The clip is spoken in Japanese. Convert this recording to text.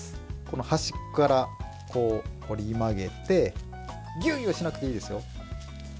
端っこから折り曲げてぎゅうぎゅうしなくていいですよ。